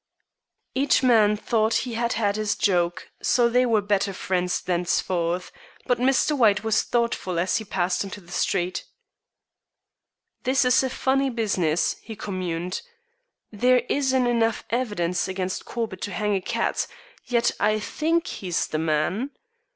Each man thought he had had his joke, so they were better friends thenceforth, but Mr. White was thoughtful as he passed into the street. "This is a funny business," he communed. "There isn't enough evidence against Corbett to hang a cat, yet I think he's the man.